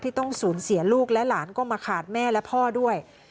ต้องสูญเสียลูกและหลานก็มาขาดแม่และพ่อด้วย